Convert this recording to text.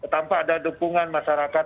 tanpa ada dukungan masyarakat